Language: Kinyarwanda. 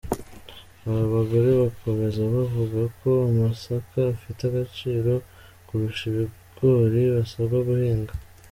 Aba bagore bakomeza bavuga ko amasaka afite agaciro kurusha ibigori basabwa guhinga.